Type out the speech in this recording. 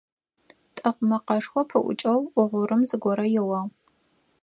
«ТӀыкъ» мэкъэшхо пыӀукӀэу гъурым зыгорэ еуагъ.